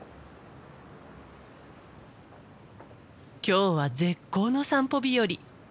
今日は絶好の散歩日和。